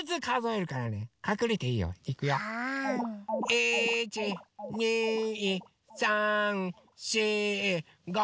１２３４５。